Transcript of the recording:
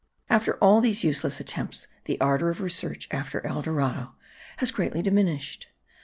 After all these useless attempts the ardour of research after El Dorado has greatly diminished.